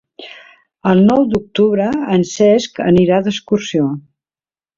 El nou d'octubre en Cesc anirà d'excursió.